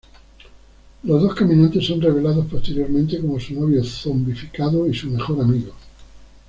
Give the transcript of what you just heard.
Los dos caminantes son revelados posteriormente como su novio zombificado y su mejor amigo.